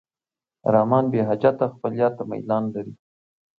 رحمان بېحجته خپل یار ته میلان لري.